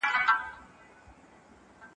مالګین خواړه هم کم کړئ.